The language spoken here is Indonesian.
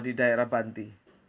di daerah banti